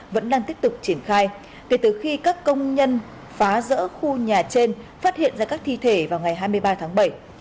vẫn đang tiếp tục triển khai kể từ khi các công nhân phá rỡ khu nhà trên phát hiện ra các thi thể vào ngày hai mươi ba tháng bảy